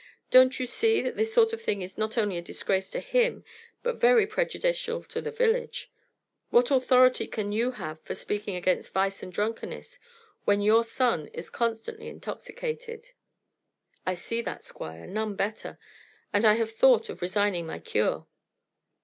Don't you see that this sort of thing is not only a disgrace to him, but very prejudicial to the village? What authority can you have for speaking against vice and drunkenness, when your son is constantly intoxicated?" "I see that, Squire none better; and I have thought of resigning my cure."